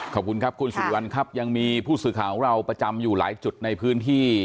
ขอบคุณครับคุณสิริวัลครับยังมีผู้สื่อข่าวของเราประจำอยู่หลายจุดในพื้นที่